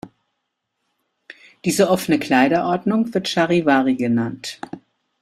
Diese offene Kleiderordnung wird „Charivari“ genannt.